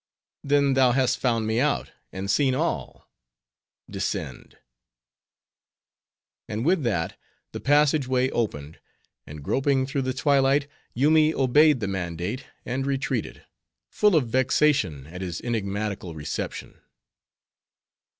"Then thou hast found me out, and seen all! Descend." And with that, the passage way opened, and groping through the twilight, Yoomy obeyed the mandate, and retreated; full of vexation at his enigmatical reception.